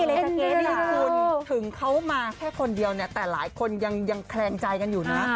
นี่คุณถึงเขามาแค่คนเดียวเนี่ยแต่หลายคนยังแคลงใจกันอยู่นะ